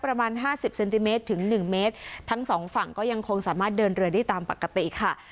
ประมาณห้าสิบเซนติเมตรถึงหนึ่งเมตรทั้งสองฝั่งก็ยังคงสามารถเดินเรือได้ตามปกติค่ะ